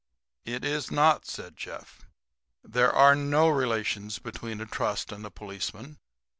'" "It is not," said Jeff. "There are no relations between a trust and a policeman.